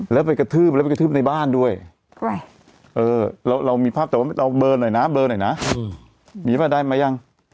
แล้วไปกระทืบในบ้านด้วยเรามีภาพเราเบิร์นหน่อยนะเบิร์นหน่อยนะมีภาพได้มั้ยยัง